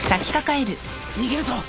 逃げるぞ！